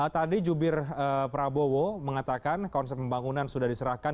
tadi jubir prabowo mengatakan konsep pembangunan sudah diserahkan